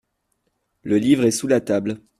Le livre est sous la table.